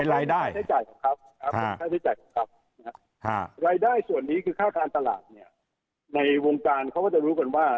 รายได้ส่วนนี้คือค่าการตลาดในวงการเขาก็จะรู้กันว่า